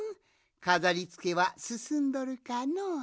かざりつけはすすんどるかのう？